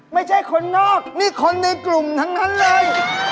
ไม่ใช่คนนอกนี่คนในกลุ่มทั้งนั้นเลย